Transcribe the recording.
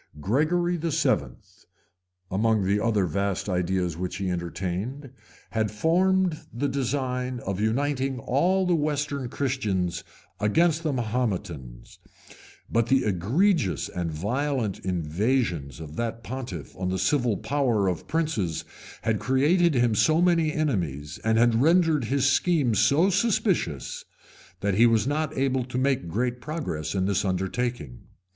Gregory VII., among the other vast ideas which he entertained, had formed the design of uniting all the western Christians against the Mahometans; but the egregious and violent invasions of that pontiff on the civil power of princes had created him so many enemies, and had rendered his schemes so suspicious, that he was not able to make great progress in this undertaking.